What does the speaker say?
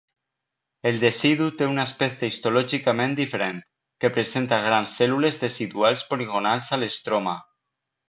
El decidu té un aspecte histològicament diferent, que presenta grans cèl·lules deciduals poligonals a l'estroma.